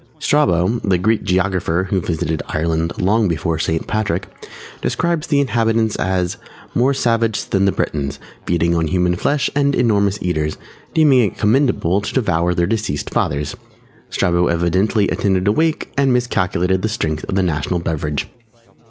Strabo, the Greek Geographer who visited Ireland long before St. Patrick, describes the inhabitants as, "_more savage than the Britons, feeding on human flesh and enormous eaters, deeming it commendable to devour their deceased fathers_." Strabo evidently attended a wake and miscalculated the strength of the national beverage.